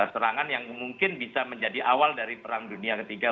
serangan yang mungkin bisa menjadi awal dari perang dunia ketiga